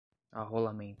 arrolamento